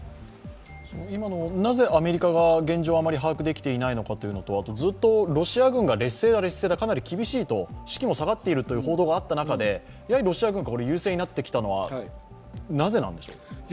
今のなぜアメリカが現状、あまり把握できていないのかというのとあと、ずっとロシア軍が劣勢だ、劣勢だ、かなり厳しい、士気も下がっているという報道があった中でロシア軍が優勢になってきたのは、なぜなんでしょう？